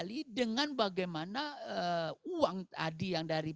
kali dengan bagaimana uang tadi yang dari